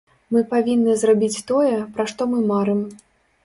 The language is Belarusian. Мы павінны зрабіць тое, пра што мы марым.